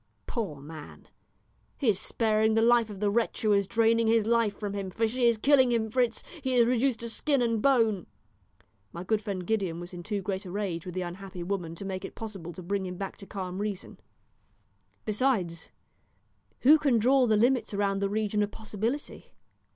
Poor man, he is sparing the life of the wretch who is draining his life from him, for she is killing him, Fritz; he is reduced to skin and bone." My good friend Gideon was in too great a rage with the unhappy woman to make it possible to bring him back to calm reason. Besides, who can draw the limits around the region of possibility?